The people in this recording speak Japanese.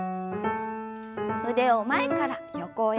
腕を前から横へ。